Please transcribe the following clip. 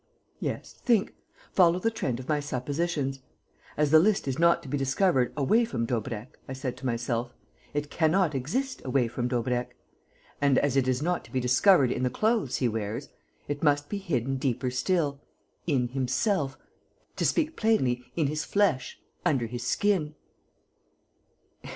Yes, think, follow the trend of my suppositions: 'As the list is not to be discovered away from Daubrecq,' I said to myself, 'it cannot exist away from Daubrecq. And, as it is not to be discovered in the clothes he wears, it must be hidden deeper still, in himself, to speak plainly, in his flesh, under his skin...."